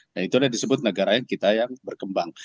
nah itulah disebut negara yang kita yang berkembang